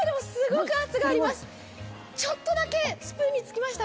ちょっとだけ、スプーンにつきました。